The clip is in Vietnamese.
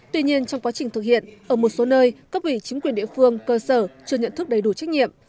tuy nhiên trong quá trình thực hiện ở một số nơi các vị chính quyền địa phương cơ sở chưa nhận thức đầy đủ trách nhiệm